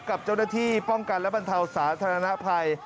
กับเจ้าหน้าที่ป้องกันและบรรเทาสาธารณภัย